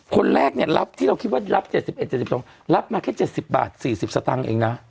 คนแรกเนี้ยรับที่เราคิดว่ารับเจ็ดสิบเอ็ดเจ็ดสิบตรงรับมาแค่เจ็ดสิบบาทสี่สิบสตางค์เองน่ะ